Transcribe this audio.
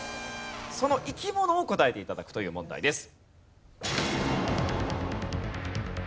その生き物を答えて頂くという問題です。